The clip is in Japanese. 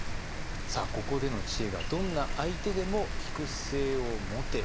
さあここでの知恵が「どんな相手でも聞く姿勢を持て」。